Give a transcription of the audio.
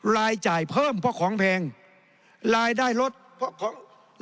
รายจ่ายเพิ่มเพราะของแพงรายได้ลดเพราะของ